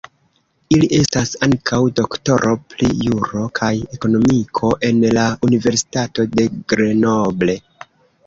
Il estas ankaŭ doktoro pri juro kaj ekonomiko en la Universitato de Grenoble.